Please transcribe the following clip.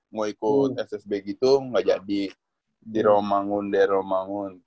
ngo ikut ssb gitu ga jadi di romangun deh romangun